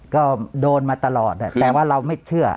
ก็โดนมาตลอดแต่ว่าเราไม่เชื่อ